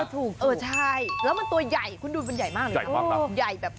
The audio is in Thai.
เออใช่แล้วมันตัวใหญ่คุณดูมันใหญ่มากเลยนะใหญ่แบบ